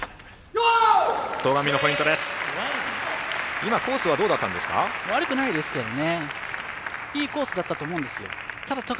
今、コースはどうだったんですか？